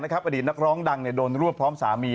อดีตนักร้องดังโดนรวบพร้อมสามี